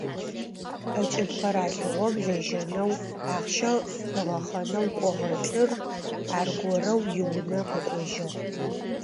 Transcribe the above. Ӏэкӏыб къэралыгъом лэжьэнэу, ахъщэ къыгъэхъэнэу кӏогъэ лӏыр аргорэу иунэ къэкӏожьыгъ.